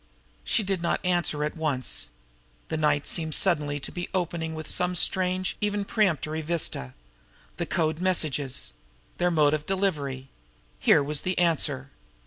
She did not answer at once. The night seemed suddenly to be opening some strange, even premonitory, vista. The code messages! Their mode of delivery! Here was the answer!